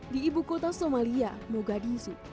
di ibu kota somalia mogadizu